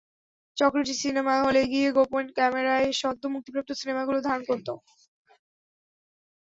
চক্রটি সিনেমা হলে গিয়ে গোপন ক্যামেরায় সদ্য মুক্তিপ্রাপ্ত সিনেমাগুলো ধারণ করত।